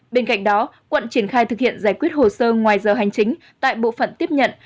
bên cạnh đó quận triển khai thực hiện giải quyết hồ sơ ngoài giờ hành chính tại bộ phận tiếp nhận